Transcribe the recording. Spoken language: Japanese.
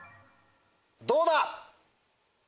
どうだ？